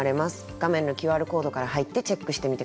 画面のＱＲコードから入ってチェックしてみて下さい。